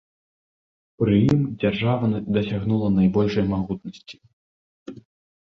Пры ім дзяржава дасягнула найбольшай магутнасці.